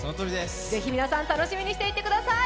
ぜひ皆さん、楽しみにしていてください。